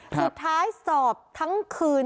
สุดท้ายสอบทั้งคืน